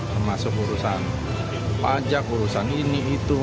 termasuk urusan pajak urusan ini itu